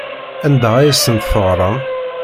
Anda ay asent-teɣram?